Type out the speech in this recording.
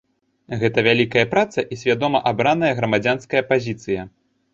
Гэта вялікая праца і свядома абраная грамадзянская пазіцыя.